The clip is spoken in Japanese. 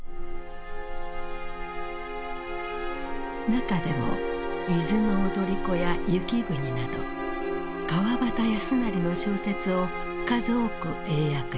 中でも「伊豆の踊子」や「雪国」など川端康成の小説を数多く英訳した。